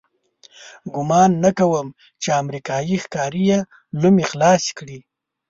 ګمان نه کوم چې امریکایي ښکاري یې لومې خلاصې کړي.